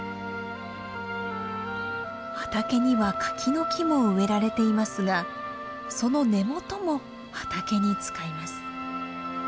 畑には柿の木も植えられていますがその根元も畑に使います。